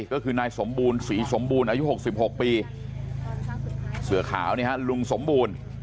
ก็คือนายสมบูรณ์ศรีสมบูรณ์อายุ๖๖ปีเสือขาวนี่ฮะลุงสมบูรณ์